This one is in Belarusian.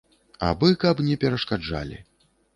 Абы каб не перашкаджалі.